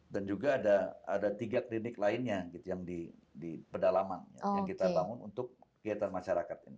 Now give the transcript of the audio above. dan juga ada tiga klinik lainnya yang di pedalaman yang kita bangun untuk kegiatan masyarakat